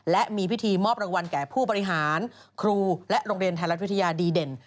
และมีพิธีมอบรางวัลแก่ผู้บริหารครูและโรงเรียนไทยรัฐวิทยาดีเด่น